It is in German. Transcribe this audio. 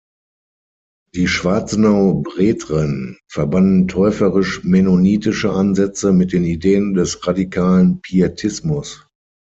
Die Schwarzenau Brethren verbanden täuferisch-mennonitische Ansätze mit den Ideen des radikalen Pietismus.